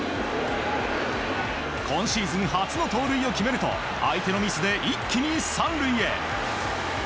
今シーズン初の盗塁を決めると相手のミスで一気に３塁へ。